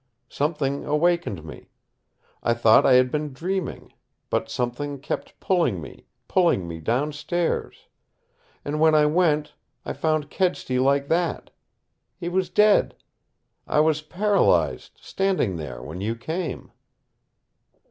Something awakened me. I thought I had been dreaming. But something kept pulling me, pulling me downstairs. And when I went, I found Kedsty like that. He was dead. I was paralyzed, standing there, when you came."